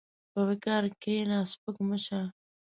په وقار کښېنه، سپک مه شه.